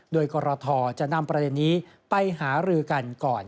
โดยกรทจะนำประเด็นนี้ไปหารือกันก่อน